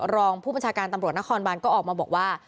รองผู้บัญชาการตำรวจนครบานก็ออกมาบอกว่า